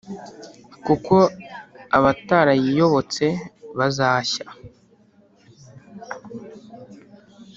Kuko abatarayiyobotse bazashya